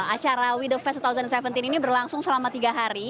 acara we the fest dua ribu tujuh belas ini berlangsung selama tiga hari